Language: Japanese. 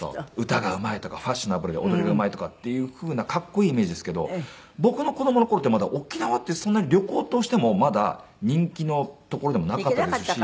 歌がうまいとかファッショナブルで踊りがうまいとかっていうふうなかっこいいイメージですけど僕の子供の頃ってまだ沖縄ってそんなに旅行としてもまだ人気の所でもなかったですし。